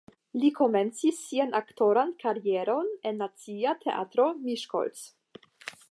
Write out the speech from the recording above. Li komencis sian aktoran karieron en Nacia Teatro (Miskolc).